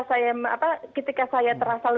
saya apa ketika saya terasa